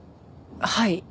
はい。